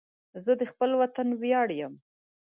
زه د خپل وطن ویاړ یم